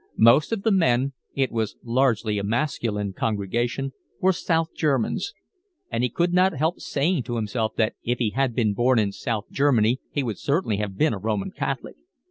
Most of the men—it was largely a masculine congregation—were South Germans; and he could not help saying to himself that if he had been born in South Germany he would certainly have been a Roman Catholic.